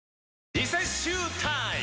リセッシュータイム！